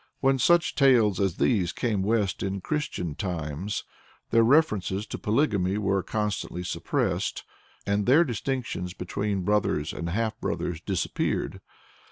" When such tales as these came west in Christian times, their references to polygamy were constantly suppressed, and their distinctions between brothers and half brothers disappeared.